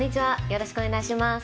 よろしくお願いします。